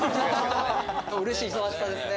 嬉しい忙しさですね